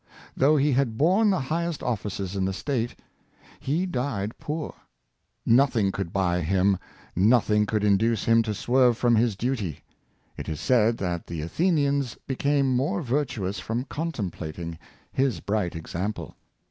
Though he had borne the highest offices in the state, he died poor. Nothing could buy him; nothing could 25 38G Phociou ''The Good:' induce him to swerve from his duty. It is said that the Athenians became more virtuous from contemplating his bright example.